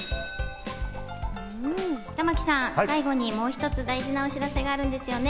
玉木さん、最後にもう一つ、大事なお知らせがあるんですよね。